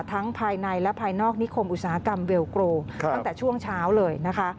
ภายในและภายนอกนิคมอุตสาหกรรมเวลโกรตั้งแต่ช่วงเช้าเลยนะคะ